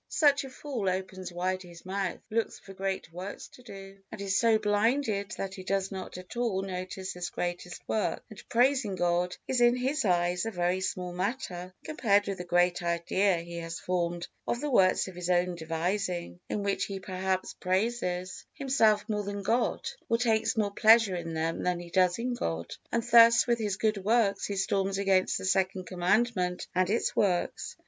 Such a fool opens wide his mouth, looks for great works to do, and is so blinded that he does not at all notice this greatest work, and praising God is in his eyes a very small matter compared with the great idea he has formed of the works of his own devising, in which he perhaps praises himself more than God, or takes more pleasure in them than he does in God; and thus with his good works he storms against the Second Commandment and its works.